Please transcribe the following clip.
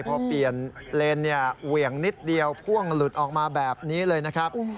พอเปลี่ยนเลนเนี่ยเหวี่ยงนิดเดียวพ่วงหลุดออกมาแบบนี้เลยนะครับ